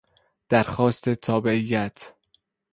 درخواست تابعیت